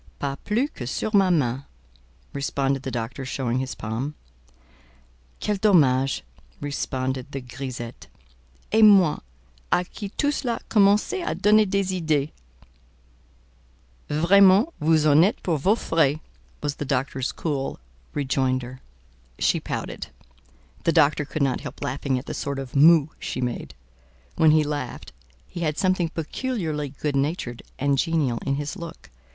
"Pas plus que sur ma main," responded the doctor, showing his palm. "Quel dommage!" responded the grisette: "et moi—à qui tout cela commençait à donner des idées." "Vraiment! vous en êtes pour vos frais," was the doctor's cool rejoinder. She pouted. The doctor could not help laughing at the sort of "moue" she made: when he laughed, he had something peculiarly good natured and genial in his look.